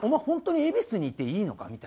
本当に恵比寿にいていいのか？